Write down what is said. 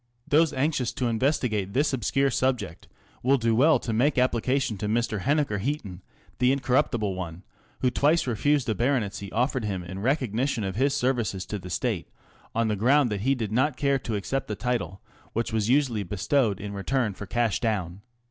Those anxious to investigate this obscure subject will do well to make application to Mr. Henniker Heaton, the incorruptible one who twice refused a baronetcy offered him in recognition of his services to the State, on the ground that he did not care to accept a title which was usually bestowed in return for cash down.